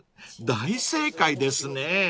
［大正解ですね！］